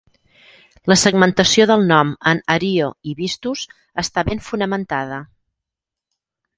La segmentació del nom en "Ario-" i "-vistus" està ben fonamentada.